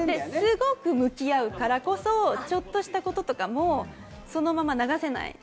すごく向き合うからこそ、ちょっとしたこととかも、そのまま流せない。